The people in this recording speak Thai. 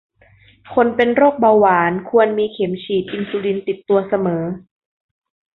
คนเป็นโรคเบาหวานควรมีเข็มฉีดอินซูลินติดตัวเสมอ